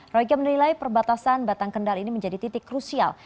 royke menilai perbatasan batang kendal ini menjadi titik krusial